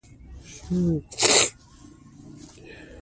پملا د ادبي څیړنو یو لومړی مرکز دی.